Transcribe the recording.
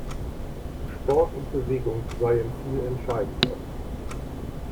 Sport und Bewegung seien viel entscheidender.